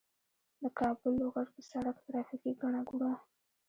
د کابل- لوګر په سړک ترافیکي ګڼه ګوڼه